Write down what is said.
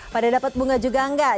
pada dapat bunga juga enggak